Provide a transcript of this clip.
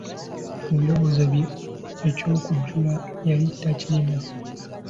Mu biroowozo bye eky'okujjula yali takirina.